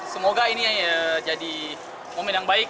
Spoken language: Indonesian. semoga ini jadi momen yang baik